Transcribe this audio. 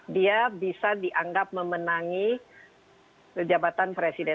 dia bisa dianggap memenangi jabatan presiden